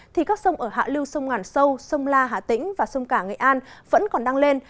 thì các sông ở hạ lưu sông ngàn sâu sông la hà tĩnh và sông cả nghệ an vẫn còn đang lên